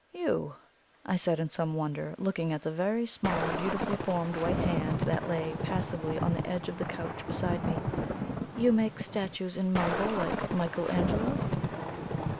"You?" I said in some wonder, looking at the very small, beautifully formed white hand that lay passively on the edge of the couch beside me. "You make statues in marble like Michael Angelo?"